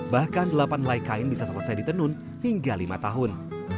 bahkan delapan laik kain bisa selesai ditenun hingga lima tahun